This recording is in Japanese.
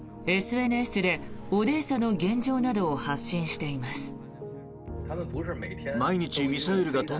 ＳＮＳでオデーサの現状などを発信しています。